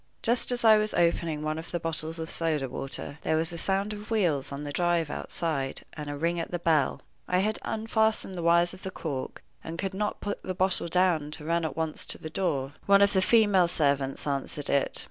Just as I was opening one of the bottles of soda water, there was a sound of wheels on the drive outside, and a ring at the bell. I had unfastened the wires of the cork, and could not put the bottle down to run at once to the door. One of the female servants answered it.